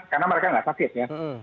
karena mereka tidak sakit ya